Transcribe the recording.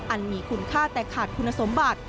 อันมีคุณค่าแต่ขาดคุณสมบัติ